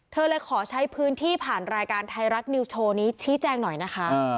เธอเลยขอใช้พื้นที่ผ่านรายการไทยรัฐนิวโชว์นี้ชี้แจงหน่อยนะคะ